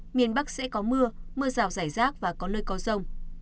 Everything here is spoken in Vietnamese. miền bắc sẽ có mưa mưa rào rải rác và có nơi có rông